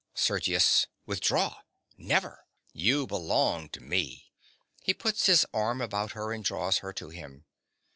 SERGIUS. Withdraw! Never! You belong to me! (_He puts his arm about her and draws her to him.